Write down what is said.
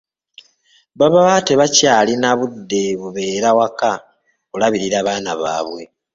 Baba tebakyalina budde bubeera waka kulabirira baana baabwe.